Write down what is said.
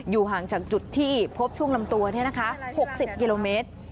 อยู่ห่างจากจุดที่พบช่วงลำตัวนี่นะคะ๖๐กิโลเมตร